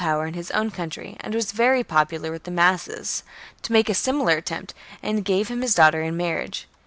power ^ in his own country, and was very popular with the masses, to make a similar attempt, and gave him his daughter in marriage.